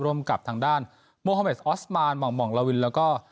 ร่วมกับทางด้านโมฮาเมดออสมานห่องห่องลาวินแล้วก็